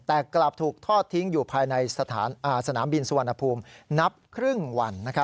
แต่กลับถูกทอดทิ้งอยู่ภายในสนามบินสุวรรณภูมินับครึ่งวัน